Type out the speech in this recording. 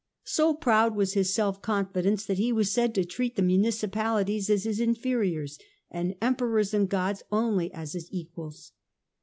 So proud was his self confidence that he was said to treat the municipalities as his inferiors, and emperors and gods only as his equals.